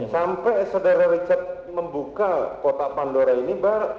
sampai saudara richard membuka kotak pandora ini